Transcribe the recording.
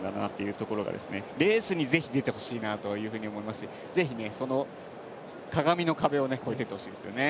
ところがレースにぜひ出てほしいなというふうに思いますしぜひ鏡の壁を超えていってほしいですね。